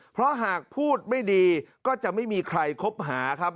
เพราะหากพูดไม่ดีก็จะไม่มีใครคบหาครับ